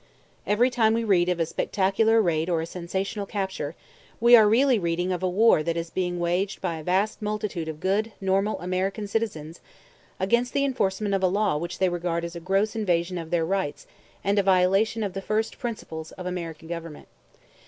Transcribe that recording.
Every time we read of a spectacular raid or a sensational capture, we are really reading of a war that is being waged by a vast multitude of good normal American citizens against the enforcement of a law which they regard as a gross invasion of their rights and a violation of the first principles of American government.